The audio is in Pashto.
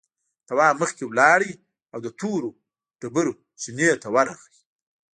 تواب مخکې لاړ او له تورو ډبرو چينې ته ورغی.